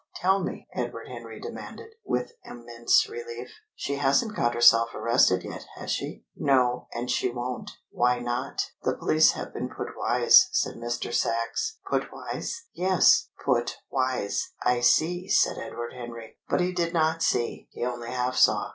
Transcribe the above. "Tell me," Edward Henry demanded, with immense relief. "She hasn't got herself arrested yet, has she?" "No. And she won't." "Why not?" "The police have been put wise," said Mr. Sachs. "Put wise?" "Yes. Put wise!" "I see," said Edward Henry. But he did not see. He only half saw.